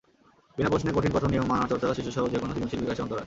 বিনা প্রশ্নে কঠিন কঠোর নিয়ম মানার চর্চা শিশুসহ যেকোনো সৃজনশীল বিকাশের অন্তরায়।